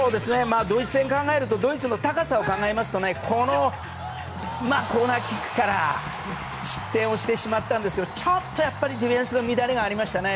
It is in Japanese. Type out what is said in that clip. ドイツ戦を考えるとドイツの高さを考えますとコーナーキックから失点をしてしまったんですがちょっとディフェンスの乱れがありましたね。